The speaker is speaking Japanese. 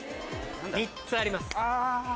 ３つあります。